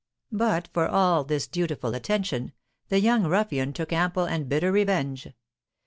But, for all this dutiful attention, the young ruffian took ample and bitter revenge.